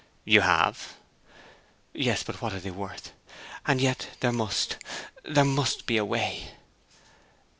'You have?' 'Yes. But what are they worth? And yet there must there must be a way!'